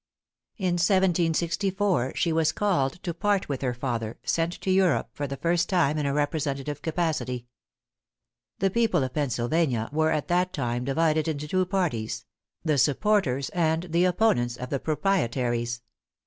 In 1764, she was called to part with her father, sent to Europe for the first time in a representative capacity. The people of Pennsylvania were at that time divided into two parties the supporters and the opponents of the proprietaries.